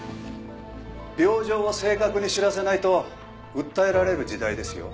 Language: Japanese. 病状を正確に知らせないと訴えられる時代ですよ。